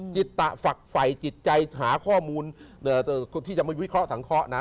จิตตะฝักไฟจิตใจหาข้อมูลที่จะไม่วิเคราะสังเคราะห์นะ